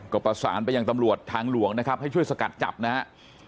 ก็ประสานไปยังตำรวจทางหลวงนะครับให้ช่วยสกัดจับนะฮะ